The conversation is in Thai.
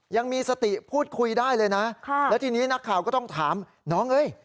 ยังมีสติพูดคุยได้เลยนะแล้วทีนี้นักข่าวก็ต้องถามน้องเอ้ย